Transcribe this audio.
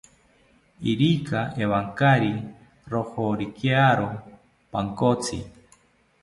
Irika ewankari rojoriakiro pankotsi